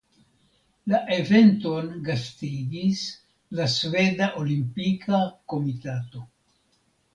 La eventon gastigis la Sveda Olimpika Komitato.